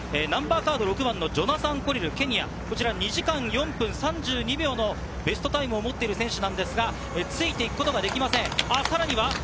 ６番のジョナサン・コリル、ケニア、２時間４分３２秒のベストタイムも持っている選手ですが、ついていくことができません。